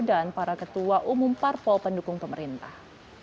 dan para ketua umum parpol pendukung pemerintah